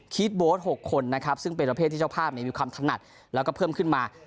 ครีดโบ๊ท๖คนซึ่งเป็นประเภทที่เจ้าภาพมีคำถนัดและเพิ่มขึ้นมา